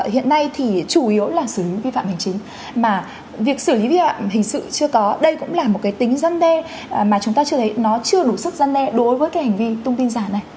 hiện nay thì chủ yếu là xử lý vi phạm hành chính mà việc xử lý vi phạm hình sự chưa có đây cũng là một cái tính dân đe mà chúng ta chưa thấy nó chưa đủ sức dân đe đối với cái hành vi tung tin giả này